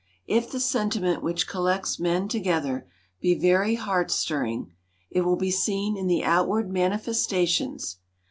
If the sentiment which collects men together be very heart stirring, it will be seen in the outward manifestations.